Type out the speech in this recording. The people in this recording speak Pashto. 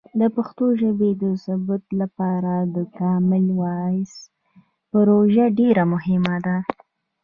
د پښتو ژبې د ثبت لپاره د کامن وایس پروژه ډیر مهمه ده.